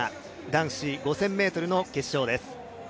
男子５０００ｍの決勝です。